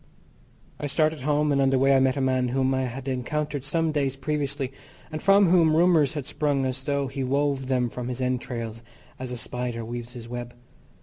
I started home, and on the way I met a man whom I had encountered some days previously, and from whom rumours had sprung as though he wove them from his entrails, as a spider weaves his web.